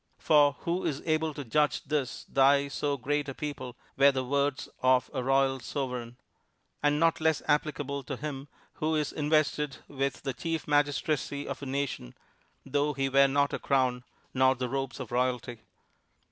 For who is able to judge this Thy so great a people, were the words of a royal Sovereign; and not less applicable to him who is invested with the Chief Magistracy of a nation, though he wear not a crown, nor the robes of royalty.